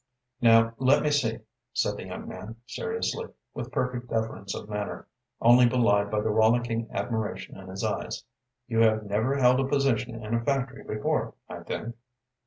"Now let me see," said the young man, seriously, with perfect deference of manner, only belied by the rollicking admiration in his eyes. "You have never held a position in a factory before, I think?"